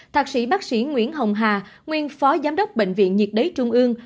thạc sĩ bác sĩ nguyễn hồng hà nguyên phó giám đốc bệnh viện nhiệt đới trung ương